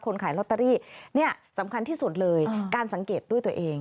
ขายลอตเตอรี่เนี่ยสำคัญที่สุดเลยการสังเกตด้วยตัวเอง